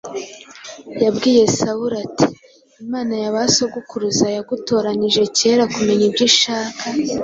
yabwiye Sawuli ati, “Imana ya ba sogokuruza yagutoranirije kera kumenya ibyo ishaka,